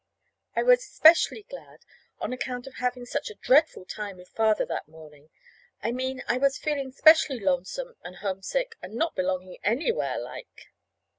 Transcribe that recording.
I was specially glad on account of having such a dreadful time with Father that morning. I mean, I was feeling specially lonesome and homesick, and not belonging anywhere like.